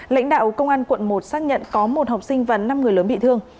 lãnh đạo công an quận một xác nhận có một học sinh và năm người lớn bị thương